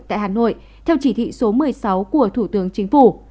tại hà nội theo chỉ thị số một mươi sáu của thủ tướng chính phủ